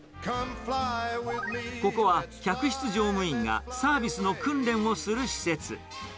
ここは、客室乗務員がサービスの訓練をする施設。